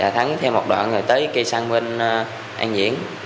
thắng theo một đoạn tới kia sang bên an diễn